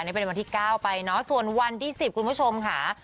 นี่เป็นวันที่๙ไปเนาะส่วนวันที่๑๐คุณผู้ชมค่ะ